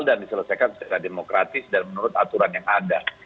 dan diselesaikan secara demokratis dan menurut aturan yang ada